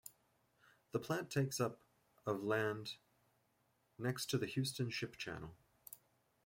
The plant takes up of land next to the Houston Ship Channel.